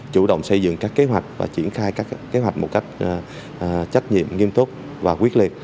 chủ động xây dựng các kế hoạch và triển khai các kế hoạch một cách trách nhiệm nghiêm túc và quyết liệt